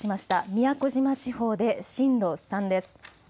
宮古島地方で震度３です。